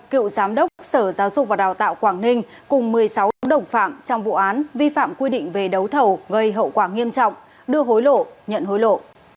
cựu giám đốc sở giáo dục và đào tạo quảng ninh cùng một mươi sáu đồng phạm trong vụ án vi phạm quy định về đấu thầu gây hậu quả nghiêm trọng đưa hối lộ nhận hối lộ